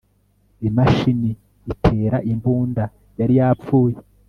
imashini itera imbunda yari yapfuye